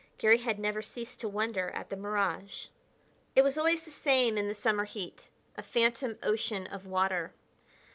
Garry had never ceased to wonder at the mirage. It was always the same in the summer heat a phantom ocean of water.